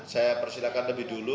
saya persilahkan lebih dulu